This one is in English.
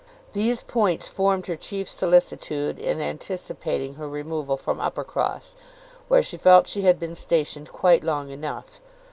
These points formed her chief solicitude in anticipating her removal from Uppercross, where she felt she had been stationed quite long enough.